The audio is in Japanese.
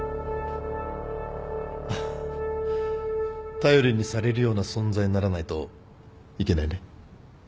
頼りにされるような存在にならないといけないね。